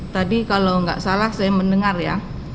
tadi kalau nggak salah saya mendengar ya